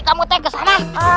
kamu tak ke sana